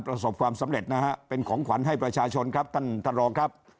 ประสบความสำเร็จนะฮะเป็นของขวัญให้ประชาชนครับท่านท่านรองครับ